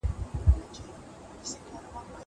زه پرون پوښتنه کوم!